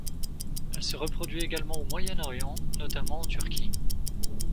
Elle se reproduit également au Moyen-Orient, notamment en Turquie.